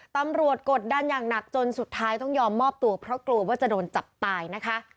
กดดันอย่างหนักจนสุดท้ายต้องยอมมอบตัวเพราะกลัวว่าจะโดนจับตายนะคะ